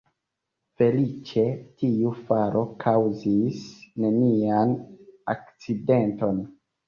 Feliĉe tiu falo kaŭzis nenian akcidenton.